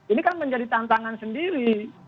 ini kan menjadi tantangan sendiri